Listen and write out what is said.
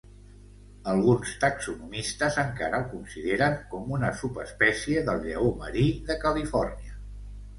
Alguns taxonomistes encara el consideren com una subespècie del lleó marí de Califòrnia.